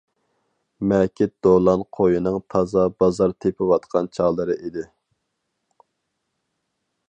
مەكىت دولان قويىنىڭ تازا بازار تېپىۋاتقان چاغلىرى ئىدى.